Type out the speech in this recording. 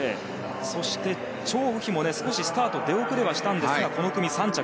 そして、チョウ・ウヒもスタート出遅れはしたんですがこの組３着。